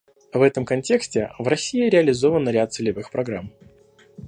В этом контексте в России реализован ряд целевых программ.